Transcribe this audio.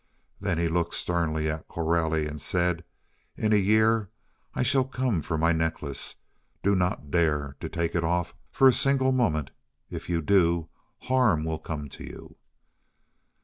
Then he looked sternly at Coralie and said, "In a year I shall come for my necklace. Do not dare to take it off for a single moment. If you do, harm will come to you!"